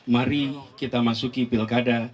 mari kita masuki pilkada